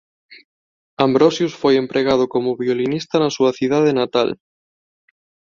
Ambrosius foi empregado como violinista na súa cidade natal.